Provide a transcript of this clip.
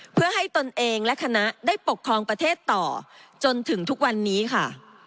เพื่อให้ตนเองและคณะได้ปกครองประเทศต่อจนถึงทุกวันนี้ค่ะ